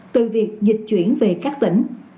từ việc dịch chuyển về các tỉnh